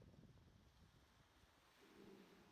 এবং আমি বললাম, হে আদম!